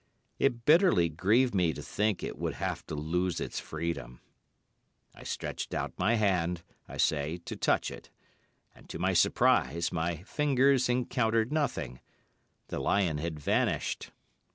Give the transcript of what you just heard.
It bitterly grieved me to think it would have to lose its freedom. I stretched out my hand, I say, to touch it, and to my surprise my fingers encountered nothing—the lion had vanished.